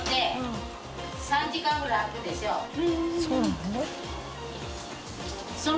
そうなの？